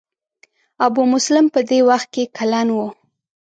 ابو مسلم په دې وخت کې کلن و.